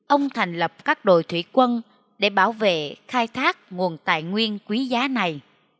ông thành lập các đội thủy quân để bảo vệ khai thác nguồn tài nguyên quý giá này